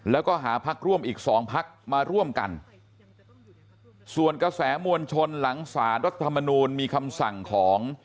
แล้วก็หาพักร่วมอีกสองพักมาร่วมกันส่วนกระแสมวลชนหลังสารรัฐธรรมนูลมีคำสั่งของ